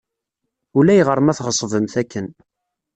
Ulayɣer ma tɣeṣbemt akken.